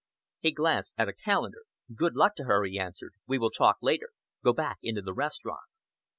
He glanced at a calendar. "Good luck to her!" he answered. "We will talk later. Go back into the restaurant."